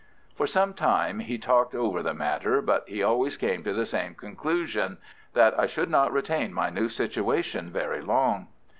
For some time he talked over the matter, but he always came to the same conclusion—that I should not retain my new situation very long.